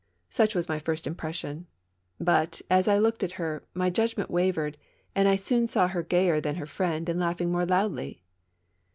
Such was my first impression. But, as I looked at her, my judgment wavered, and I soon saw her gayer than her friend and laughing more loudly.